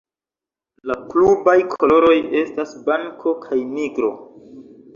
La klubaj koloroj estas blanko kaj nigro.